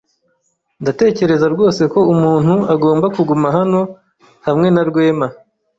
Ndatekereza rwose ko umuntu agomba kuguma hano hamwe na Rwema.